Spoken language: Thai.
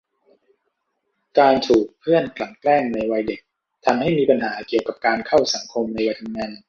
การถูกเพื่อนกลั่นแกล้งในวัยเด็ก ทำให้มีปัญหาเกี่ยวกับการเข้าสังคมในวัยทำงาน